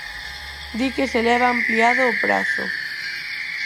Di que se leva ampliado o prazo.